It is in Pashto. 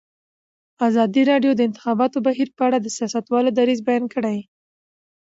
ازادي راډیو د د انتخاباتو بهیر په اړه د سیاستوالو دریځ بیان کړی.